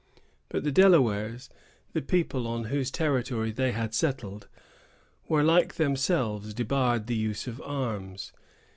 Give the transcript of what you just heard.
But the Delawares, the people on whose territory they had settled, were like themselves debarred the use of arms.